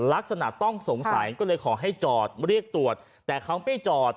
ลักษณะต้องสงสัยก็เลยขอให้จอดเรียกตรวจแต่เขาไม่จอด